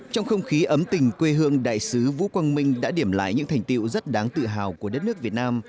trong không khí ấm tình quê hương đại sứ vũ quang minh đã điểm lại những thành tiệu rất đáng tự hào của đất nước việt nam